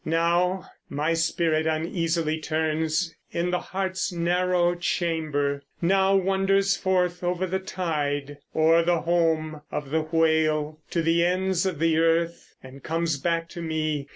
Now my spirit uneasily turns in the heart's narrow chamber, Now wanders forth over the tide, o'er the home of the whale, To the ends of the earth and comes back to me.